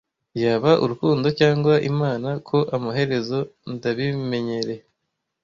yaba urukundo cyangwa imana ko amaherezo ndabimenyereye